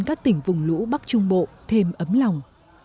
các tỉnh vùng lũ bắc trung bộ thêm ấm lòng